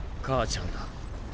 母ちゃんだ。